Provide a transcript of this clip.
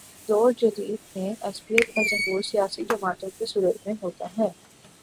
دور جدید میں عصبیت کا ظہور سیاسی جماعتوں کی صورت میں ہوتا ہے۔